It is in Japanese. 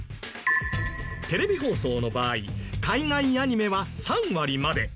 テレビ放送の場合海外アニメは３割まで。